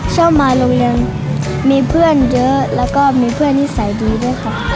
ชอบมาโรงเรียนมีเพื่อนเยอะแล้วก็มีเพื่อนนิสัยดีด้วยค่ะ